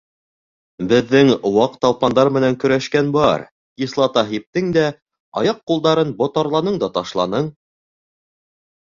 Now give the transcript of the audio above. Беҙҙең ваҡ талпандар менән көрәшкән бар: кислота һиптең дә, аяҡ-ҡулдарын ботарланың да ташланың.